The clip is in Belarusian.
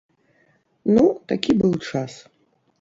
Ну такі быў час.